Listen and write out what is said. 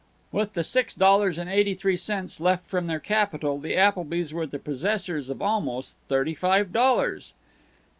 With the six dollars and eighty three cents left from their capital the Applebys were the possessors of almost thirty five dollars!